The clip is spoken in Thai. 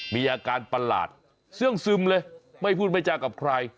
มีอาการประหลาดเสื้องซึมเลยไม่พูดไม่จากับใคร